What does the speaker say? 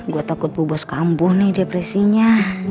gua takut bu bos kampuh nih depresinya